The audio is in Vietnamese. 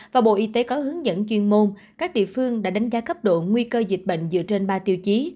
và bộ y tế có hướng dẫn chuyên môn các địa phương đã đánh giá cấp độ nguy cơ dịch bệnh dựa trên ba tiêu chí